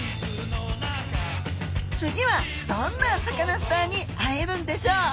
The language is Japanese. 次はどんなサカナスターに会えるんでしょう？